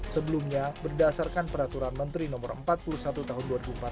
sebelumnya berdasarkan peraturan menteri no empat puluh satu tahun dua ribu empat belas